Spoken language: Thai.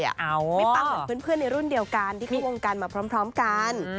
ปั้งเหมือนเพื่อนในรุ่นเดียวกันที่เข้าวงการมาพร้อมกัน